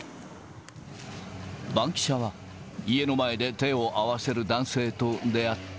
バンキシャは、家の前で手を合わせる男性と出会った。